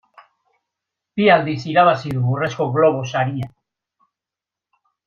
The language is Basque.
Bi aldiz irabazi du Urrezko Globo saria.